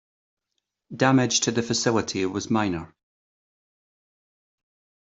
Damage to the facility was minor.